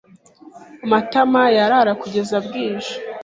[Matama] Yarara kugeza bwije.